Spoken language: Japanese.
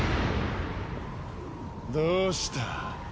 どうした？